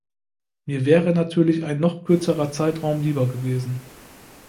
Mir wäre natürlich ein noch kürzerer Zeitraum lieber gewesen.